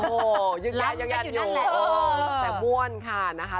โอ้ยยึกแยดยังแยดอยู่ล้ำก็อยู่นั่นแหละเออแต่ม่วนค่ะนะคะ